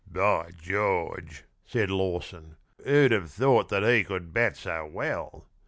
"By George," said Lawson, "who'd have thought that he could bat so well!